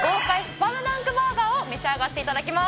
スパムダンクバーガーを召し上がって頂きます。